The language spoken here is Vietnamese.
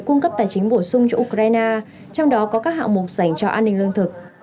cung cấp tài chính bổ sung cho ukraine trong đó có các hạng mục dành cho an ninh lương thực